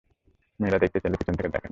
দেখতে চাইলে, পিছনে থেকে দেখেন।